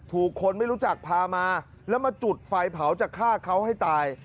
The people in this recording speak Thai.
ถูกคนไม่รู้จักพามาแล้วมาจุดไฟเผาจะฆ่าเขาให้ตาย